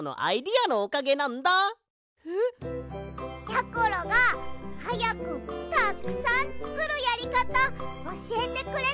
やころがはやくたくさんつくるやりかたおしえてくれたの。